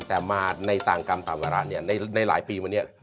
แต่มาในต่างกรรมต่างกรรมนี้